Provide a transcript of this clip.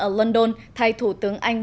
ở london thay thủ tướng anh